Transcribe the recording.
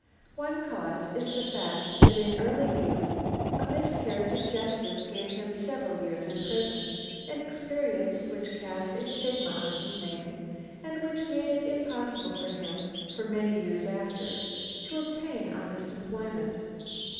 One cause is the fact that in early youth a miscarriage of justice gave him several years in prison, an experience which cast a stigma on his name and which made it impossible for him, for many years after, to obtain honest employment.